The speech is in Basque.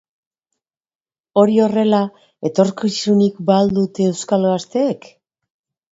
Hori horrela, etorkizunik ba al dute euskal gazteek?